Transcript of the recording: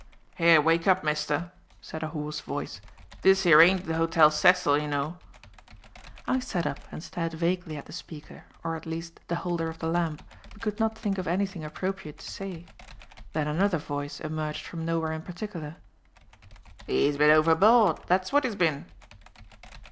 "Here, wake up, mister," said a hoarse voice, "this here ain't the Hotel Cecil, you know." I sat up and stared vaguely at the speaker, or at least, the holder of the lamp, but could not think of anything appropriate to say. Then another voice emerged from nowhere in particular. "'E's been overboard, that's what 'e's been."